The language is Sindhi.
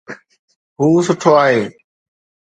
هو سٺو آهي